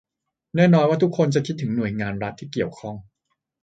แน่นอนว่าทุกคนจะคิดถึงหน่วยงานรัฐที่เกี่ยวข้อง